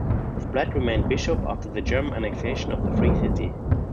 Splett remained bishop after the German annexation of the Free City.